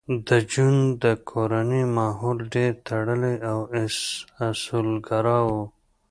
د جون د کورنۍ ماحول ډېر تړلی او اصولګرا و